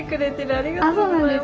ありがとうございます。